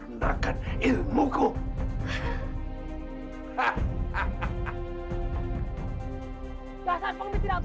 sudah mati lu sendiri nggak mau ngaku kamu hah